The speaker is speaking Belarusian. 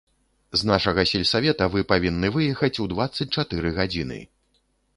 З нашага сельсавета вы павінны выехаць у дваццаць чатыры гадзіны.